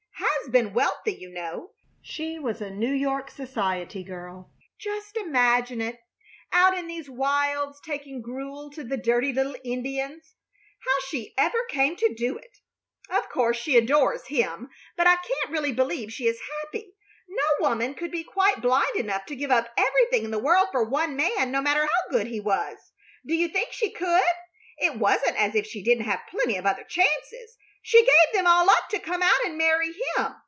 Has been wealthy, you know. She was a New York society girl. Just imagine it; out in these wilds taking gruel to the dirty little Indians! How she ever came to do it! Of course she adores him, but I can't really believe she is happy. No woman could be quite blind enough to give up everything in the world for one man, no matter how good he was. Do you think she could? It wasn't as if she didn't have plenty of other chances. She gave them all up to come out and marry him.